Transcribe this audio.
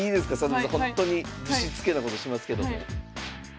ほんとにぶしつけなことしますけども。